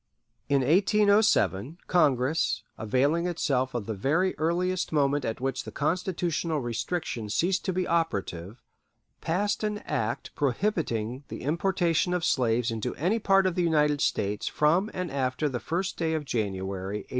In 1807, Congress, availing itself of the very earliest moment at which the constitutional restriction ceased to be operative, passed an act prohibiting the importation of slaves into any part of the United States from and after the first day of January, 1808.